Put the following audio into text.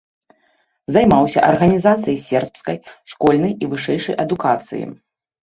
Займаўся арганізацыяй сербскай школьнай і вышэйшай адукацыі.